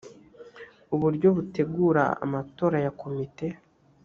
uburyo butegura amatora ya komite